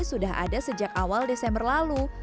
sudah ada sejak awal desember lalu